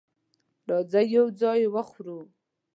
راځئ یو ځای یی وخورو